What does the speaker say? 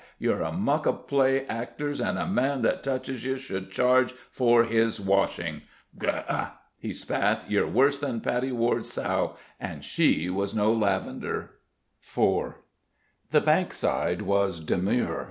You're a muck of play actors, and a man that touches ye should charge for his washing. Gr r!" he spat "ye're worse than Patty Ward's sow, and she was no lavender!" IV The Bankside was demure.